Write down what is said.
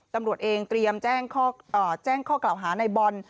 ตำรวจเองเตรียมแจ้งข้อกล่าวหาในบอล